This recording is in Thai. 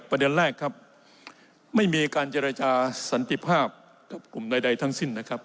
ประเด็นแรกครับไม่มีการเจรจาสันติภาพกับกลุ่มใดทั้งสิ้นนะครับ